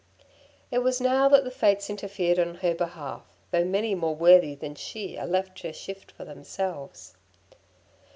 It was now that the Fates interfered on her behalf, though many more worthy than she are left to shift for themselves.